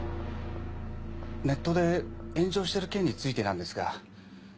ネットで炎上してる件についてなんですが。